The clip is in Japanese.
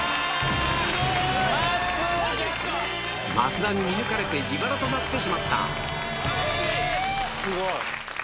増田に見抜かれて自腹となってしまったすごい。